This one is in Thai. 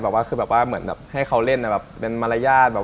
แบบคือให้เค้าเล่นเป็นมารยาท